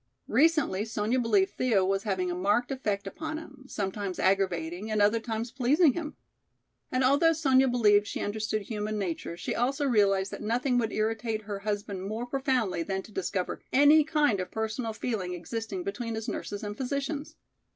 Recently Sonya believed Thea was having a marked effect upon him, sometimes aggravating and at other times pleasing him. And although Sonya believed she understood human nature, she also realized that nothing would irritate her husband more profoundly than to discover any kind of personal feeling existing between his nurses and physicians.